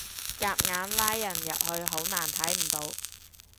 夾硬拉人入去好難睇唔到